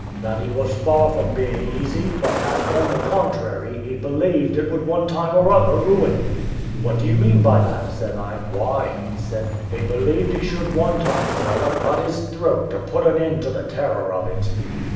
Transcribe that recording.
that he was far from being easy; but that, on the contrary, he believed it would one time or other ruin him." "What do you mean by that?" said I. "Why," he said, "he believed he should one time or other cut his throat, to put an end to the terror of it."